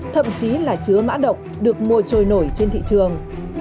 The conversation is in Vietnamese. thậm chí là chứa mã độc được mua trôi nổi trên thị trường